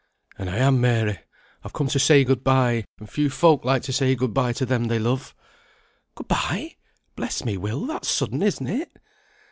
"And I am, Mary! I'm come to say good bye; and few folk like to say good bye to them they love." "Good bye! Bless me, Will, that's sudden, isn't it?"